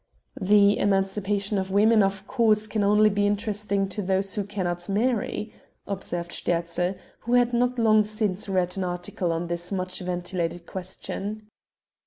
"The emancipation of women of course can only be interesting to those who cannot marry," observed Sterzl, who had not long since read an article on this much ventilated question.